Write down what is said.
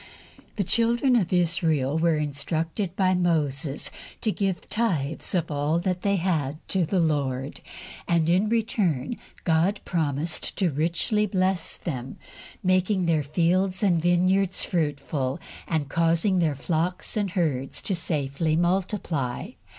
THE children of Israel were instructed by Moses to give tithes of all they had to the Lord, and in return God promised to richly bless them, making their fields and vineyards fruitful and causing their flocks and herds to safely multiply.